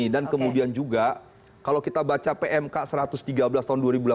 kemudian juga kalau kita baca pmk satu ratus tiga belas tahun dua ribu delapan belas